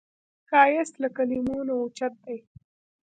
ښایست له کلمو نه اوچت دی